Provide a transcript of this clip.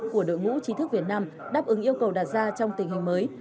của đội ngũ trí thức việt nam đáp ứng yêu cầu đạt ra trong tình hình mới